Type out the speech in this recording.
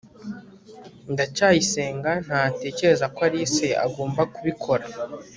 ndacyayisenga ntatekereza ko alice agomba kubikora